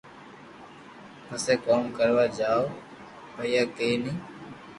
پسي ڪوم ڪروا جاو پييا ڪئي ني